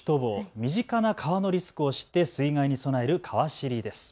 身近な川のリスクを知って水害に備えるかわ知りです。